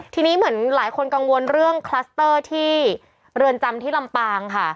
ทีนี้เหมือนหลายคนกังวลเรื่องคลัสเตอร์ที่เรือนจำที่ลำปางค่ะ